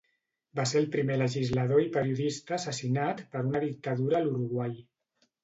Va ser el primer legislador i periodista assassinat per una dictadura a l'Uruguai.